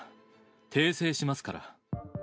訂正しますから。